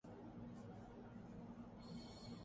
ہمارے بنگالی بہن بھائی بہت سی چیزوں سے ناخوش تھے۔